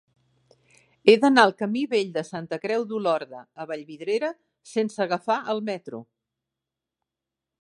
He d'anar al camí Vell de Santa Creu d'Olorda a Vallvidrera sense agafar el metro.